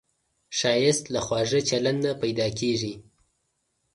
ښایست له خواږه چلند نه پیدا کېږي